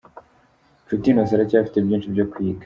Nshuti Innocent aracyafite byinshi byo kwiga.